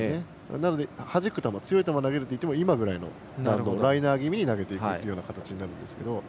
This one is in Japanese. なので、はじく球、強い球を投げるといってもライナー気味に投げていくという形になるんですけど。